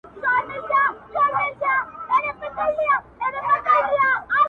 ته بې حسه غوندي پروت وې بوی دي نه کړمه هیڅکله!!